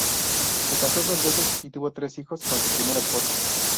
Se casó dos veces y tuvo tres hijos con su primera esposa.